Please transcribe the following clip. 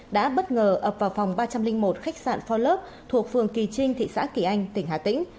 đã bất ngờ ập vào phòng ba trăm linh một khách sạn forbux thuộc phường kỳ trinh thị xã kỳ anh tỉnh hà tĩnh